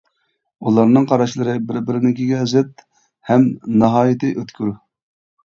ئۇلارنىڭ قاراشلىرى بىر-بىرىنىڭكىگە زىت ھەم ناھايىتى ئۆتكۈر.